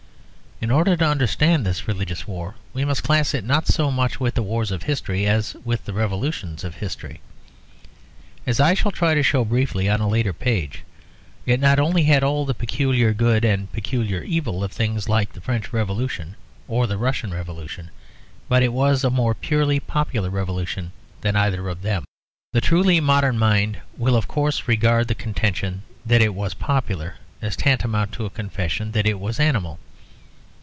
In order to understand this religious war we must class it, not so much with the wars of history as with the revolutions of history. As I shall try to show briefly on a later page, it not only had all the peculiar good and the peculiar evil of things like the French Revolution or the Russian Revolution, but it was a more purely popular revolution than either of them. The truly modern mind will of course regard the contention that it was popular as tantamount to a confession that it was animal.